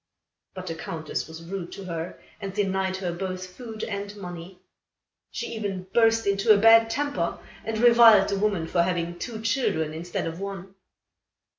But the Countess was rude to her and denied her both food and money. She even burst into a bad temper, and reviled the woman for having two children, instead of one.